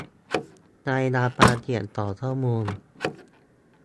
รายงานความเสี่ยงต่อข้อมูล